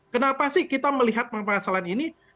kenapa sih kita melihat permasalahan ini